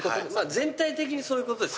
全体的にそういう事です。